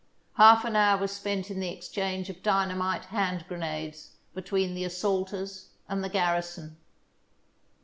Half an hour was spent in the exchange of dynamite hand grenades between the as saulters and the garrison.